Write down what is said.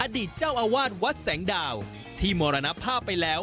อดีตเจ้าอาวาสวัดแสงดาวที่มรณภาพไปแล้ว